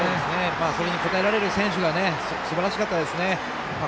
それに応えられる選手がすばらしかったですね。